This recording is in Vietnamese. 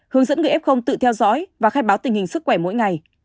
hướng dẫn người f tự theo dõi và khai báo tình hình sức khỏe mỗi ngày